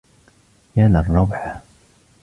يا للروعة!